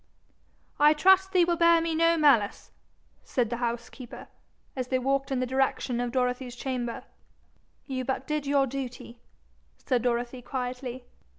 'I trust thee will bear me no malice,' said the housekeeper, as they walked in the direction of Dorothy's chamber. 'You did but your duty,' said Dorothy quietly.